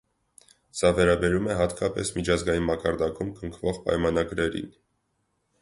Սա վերաբերում է հատկապես միջազգային մակարդակում կնքվող պայմանագրերին։